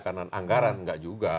karena anggaran nggak juga